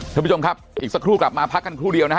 ท่านผู้ชมครับอีกสักครู่กลับมาพักกันครู่เดียวนะฮะ